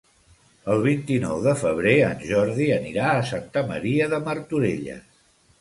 El vint-i-nou de febrer en Jordi anirà a Santa Maria de Martorelles.